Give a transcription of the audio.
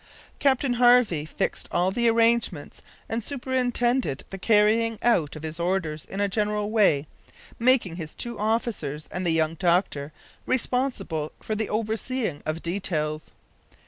Captain Harvey fixed all the arrangements, and superintended the carrying out of his orders in a general way, making his two officers and the young doctor responsible for the overseeing of details.